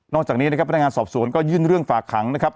จากนี้นะครับพนักงานสอบสวนก็ยื่นเรื่องฝากขังนะครับ